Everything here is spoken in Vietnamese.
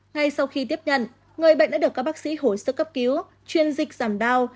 ngay sau khi tiếp nhận người bệnh đã được các bác sĩ hồi sức cấp cứu chuyên dịch giảm đau